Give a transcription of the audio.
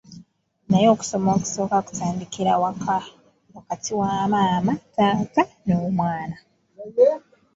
Naye okusoma okusooka kutandikira waka wakati wa maama, taata n’omwana.